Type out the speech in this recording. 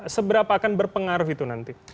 seberapa akan berpengaruh itu nanti